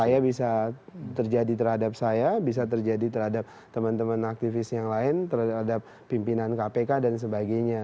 saya bisa terjadi terhadap saya bisa terjadi terhadap teman teman aktivis yang lain terhadap pimpinan kpk dan sebagainya